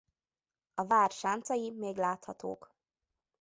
A vár sáncai még láthatók.